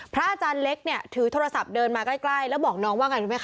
พระอาจารย์เล็กถือโทรศัพท์เดินมาใกล้แล้วบอกน้องว่าไงครับ